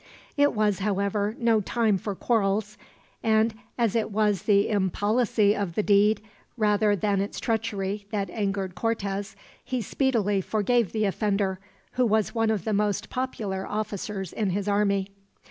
It was, however, no time for quarrels; and as it was the impolicy of the deed, rather than its treachery, that angered Cortez, he speedily forgave the offender, who was one of the most popular officers in his army.